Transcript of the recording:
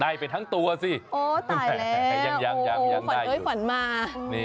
ได้ไปทั้งตัวสิโอ้ตายแล้วยังได้อยู่ฝันเอ้ยฝันมา